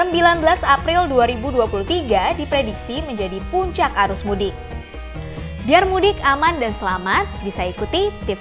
bahasa inggris lain tentu dengan ikan ke reseinya mudik semester keselamatan dengan mudik memiliki